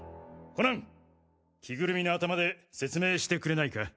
コナン着ぐるみの頭で説明してくれないか？